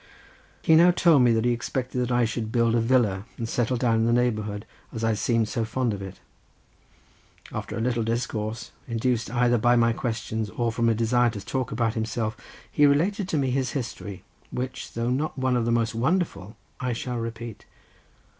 He now told me that he expected that I should build a villa and settle down in the neighbourhood, as I seemed so fond of it. After a little discourse, induced either by my questions or from a desire to talk about himself, he related to me his history, which though not one of the most wonderful I shall repeat.